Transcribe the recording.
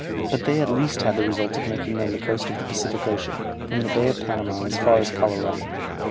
But they at least had the result of making known the coast of the Pacific Ocean, from the Bay of Panama as far as Colorado.